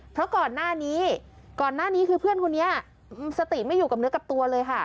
เพราะก่อนหน้านี้ก่อนหน้านี้คือเพื่อนคนนี้สติไม่อยู่กับเนื้อกับตัวเลยค่ะ